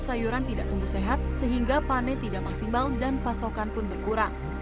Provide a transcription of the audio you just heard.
sayuran tidak tumbuh sehat sehingga panen tidak maksimal dan pasokan pun berkurang